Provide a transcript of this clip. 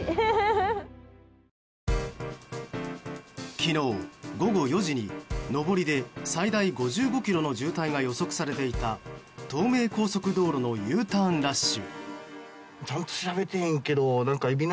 昨日午後４時に上りで最大５５ｋｍの渋滞が予測されていた東名高速道路のＵターンラッシュ。